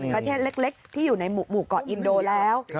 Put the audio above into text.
ประเทศเล็กที่อยู่ในหมู่เกาะอินโดแล้ว